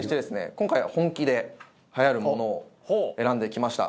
今回は本気ではやるものを選んできました。